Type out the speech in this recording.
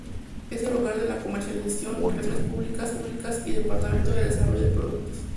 Es el hogar de la comercialización, relaciones públicas y departamentos de desarrollo de productos.